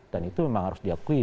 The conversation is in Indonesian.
dan itu memang harus diakui